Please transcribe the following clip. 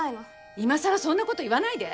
今さらそんなこと言わないで！